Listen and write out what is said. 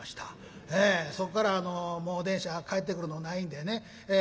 そこからもう電車が帰ってくるのないんでね